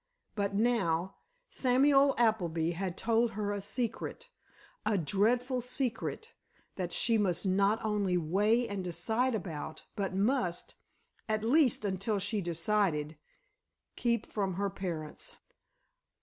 But now, Samuel Appleby had told her a secret—a dreadful secret—that she must not only weigh and decide about, but must—at least, until she decided—keep from her parents.